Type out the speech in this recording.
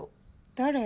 誰？